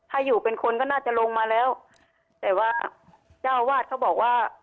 ถ้าอยู่เป็นคนก็น่าจะลงมาแล้วแต่ว่าเจ้าอาวาสเขาบอกว่า